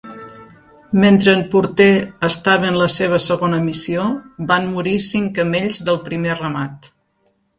Mentre en Porter estava en la seva segona missió, van morir cinc camells del primer ramat.